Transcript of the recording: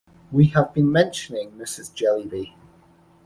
We have been mentioning Mrs. Jellyby.